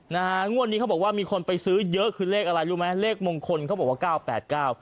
นะฮะงวดนี้เขาบอกว่ามีคนไปซื้อเยอะคือเลขอะไรรู้ไหมเลขมงคลเขาบอกว่าเก้าแปดเก้า